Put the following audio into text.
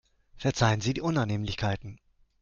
Verzeihen Sie die Unannehmlichkeiten.